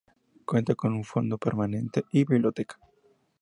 Cuenta con un fondo permanente y biblioteca.